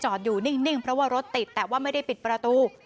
อยู่นิ่งเพราะว่ารถติดแต่ว่าไม่ได้ปิดประตู